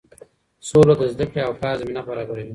سوله د زده کړې او کار زمینه برابروي.